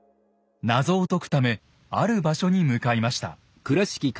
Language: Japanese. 謎を解くためある場所に向かいました。